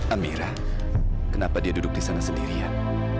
amira kenapa dia duduk di sana sendirian